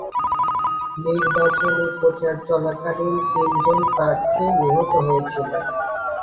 নির্বাচনী প্রচার চলাকালীন তিন জন প্রার্থী নিহত হয়েছিলেন।